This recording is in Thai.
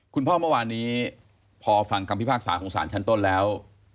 คุณพ่อเมื่อวานนี้พอฟังกรรมพิพากษาของศาลชันต้นแล้ว